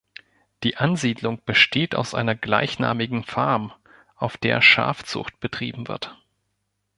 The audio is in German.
Die Ansiedlung besteht aus einer gleichnamigen Farm, auf der Schafzucht betrieben wird.